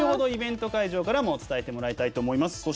イベント会場からも伝えてもらいたいと思います。